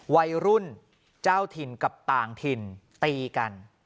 วัยรุ่นเจ้าถิ่นกับต่างถิ่นตีกัน